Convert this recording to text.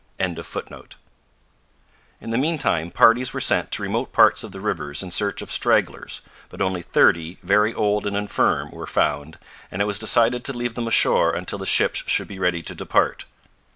'] In the meantime parties were sent to remote parts of the rivers in search of stragglers, but only thirty, very old and infirm, were found, and it was decided to leave them ashore until the ships should be ready to depart.